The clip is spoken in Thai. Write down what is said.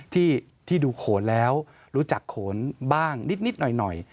ที่ดูโขนแล้วรู้จักโขนบ้างนิดหน่อย